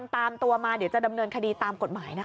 ตามตัวมาเดี๋ยวจะดำเนินคดีตามกฎหมายนะคะ